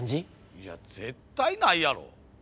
いや絶対ないやろ。